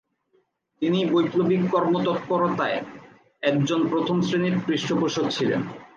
তিনি বৈপ্লবিক কর্মতৎপরতার একজন প্রথম শ্রেণীর পৃষ্ঠপোষক ছিলেন।